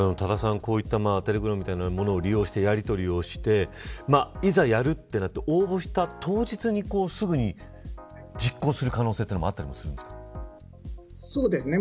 こういったテレグラムのようなものを利用して、やりとりをしていざ、やるとなると応募した当日にすぐに実行する可能性もあったりするんですか。